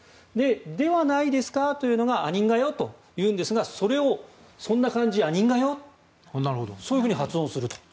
ではないですか？というのがアニンガヨというんですがそれをソンナカンジ・アニンガヨ？とそういうふうに発音すると。